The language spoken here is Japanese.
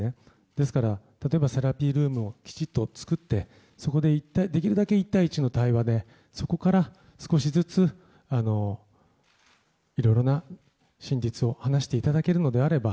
ですから、セラピールームをきちんと作ってそこでできるだけ１対１の対話でそこから少しずついろいろな、真実を話していただけるのであれば。